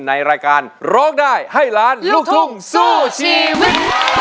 ในรายการร้องได้ให้ล้านลูกทุ่งสู้ชีวิต